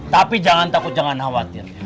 tapi jangan takut jangan khawatir